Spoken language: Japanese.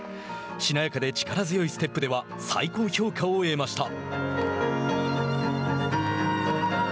しなやかで力強いステップでは最高評価を得ました。